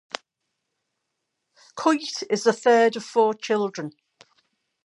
Kuyt is the third of four children.